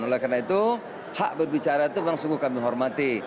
oleh karena itu hak berbicara itu memang sungguh kami hormati